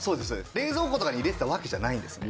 冷蔵庫とかに入れてたわけじゃないんですね。